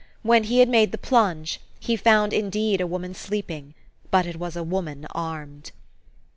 When he had made the plunge, he found indeed a woman sleeping ; but it was a woman armed.